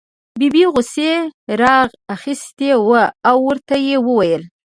ببۍ غوسې را اخیستې وه او ورته یې وویل.